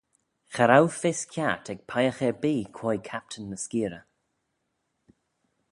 Cha row fys kiart ec peiagh erbee quoi Captan ny Skeerey.